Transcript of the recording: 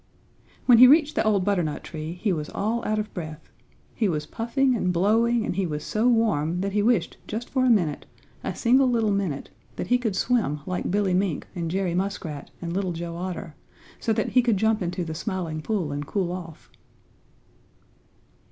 When he reached the old butternut tree he was all out of breath. He was puffing and blowing and he was so warm that he wished just for a minute, a single little minute, that he could swim like Billy Mink and Jerry Muskrat and Little Joe Otter, so that he could jump into the Smiling Pool and cool off.